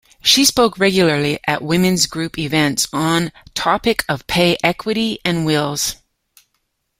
She spoke regularly at women's group events on topic of pay equity and wills.